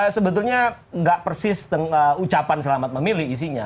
sebetulnya nggak persis ucapan selamat memilih isinya